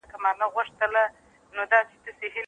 د معنوي کلتور پلویان ټولنیز پرمختګونه اړین بولي.